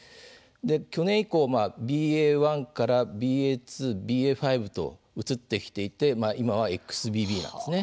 去年以降、ＢＡ．１からＢＡ．２ＢＡ．５と移ってきていて今はＸＢＢなんですね。